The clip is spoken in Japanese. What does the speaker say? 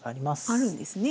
あるんですね。